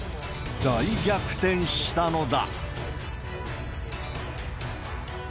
大逆転したのだ。